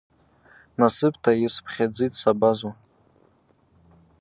Насыпта йспхьадзитӏ съабазу.